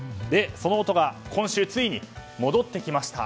その音が今週ついに戻ってきました。